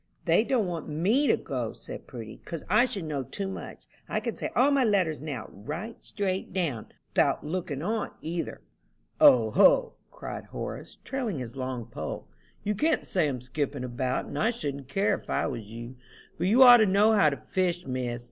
"They don't want me to go," said Prudy, "'cause I should know too much. I can say all my letters now, right down straight, 'thout looking on, either." "O, ho!" cried Horace, trailing his long pole, "you can't say 'em skipping about, and I shouldn't care, if I was you. But you ought to know how to fish, Miss.